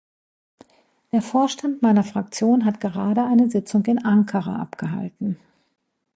Der Vorstand meiner Fraktion hat gerade eine Sitzung in Ankara abgehalten.